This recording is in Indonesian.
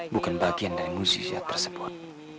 bukan bagian dari musisiat tersebut